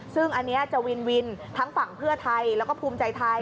ซึ่งอันนี้จะวินวินทั้งฝั่งเพื่อไทยแล้วก็ภูมิใจไทย